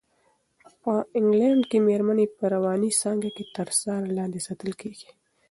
په انګلنډ کې مېرمنې په رواني څانګه کې تر څار لاندې ساتل کېږي.